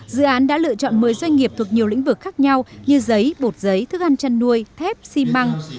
dự án đã lựa chọn một mươi doanh nghiệp thuộc nhiều lĩnh vực khác nhau như giấy bột giấy thức ăn chăn nuôi thép xi măng